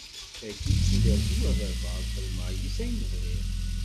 Taki d tudert-iw a baba ad xedmeɣ yis-s ayen i bɣiɣ.